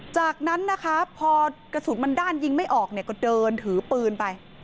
จากนั้นนะคะพอกระสุนมันด้านยิงไม่ออกเนี่ยก็เดินถือปืนไป